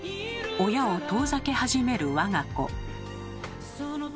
親を遠ざけ始める我が子。